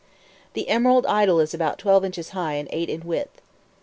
The Emerald Idol is about twelve inches high and eight in width.